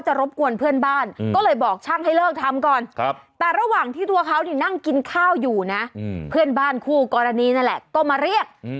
จากนั้นโหนตบก็ไปแบบเนี้ย